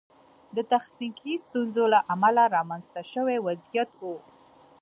د تخنیکي ستونزو له امله رامنځته شوی وضعیت و.